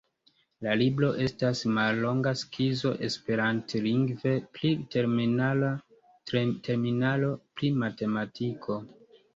La libro estas mallonga skizo esperantlingve pri terminaro pri matematiko.